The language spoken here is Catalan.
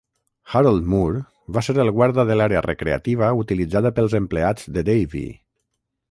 Harold Moore va ser el guarda de l'àrea recreativa utilitzada pels empleats de Davey.